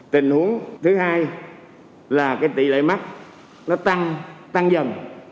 tình huống thứ hai là tỷ lệ mắc nó tăng tăng dần